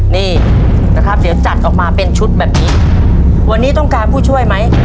นี่นะครับเดี๋ยวจัดออกมาเป็นชุดแบบนี้วันนี้ต้องการผู้ช่วยไหม